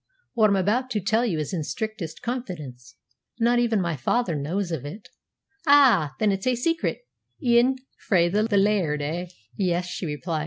What I'm about to tell you is in strictest confidence. Not even my father knows it." "Ah! then it's a secret e'en frae the laird, eh?" "Yes," she replied.